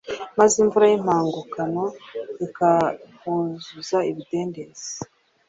maze imvura y’impangukano ikahuzuza ibidendezi